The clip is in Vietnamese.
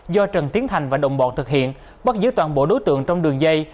do trần tiến thành và đồng bọn thực hiện bắt giữ toàn bộ đối tượng trong đường dây